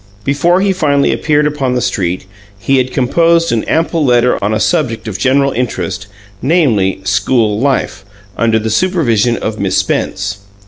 Before he finally appeared upon the street, he had composed an ample letter on a subject of general interest, namely "School Life", under the supervision of Miss Spencer.